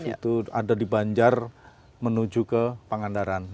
itu ada di banjar menuju ke pangandaran